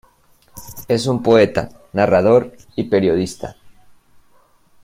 Es un poeta, narrador y periodista.